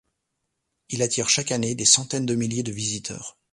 Il attire chaque année des centaines de milliers de visiteurs.